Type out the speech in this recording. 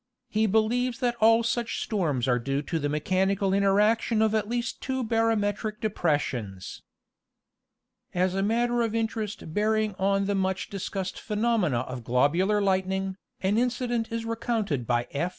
He believes that all such storms are due to the mechanical interaction of at least two barometric depressions. ' As a matter of interest bearing on the much discussed phe nomena of globular lightning, an incident is recounted by F.